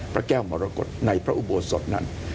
พระแก้วมรกฏในพระอุโบสถนั้น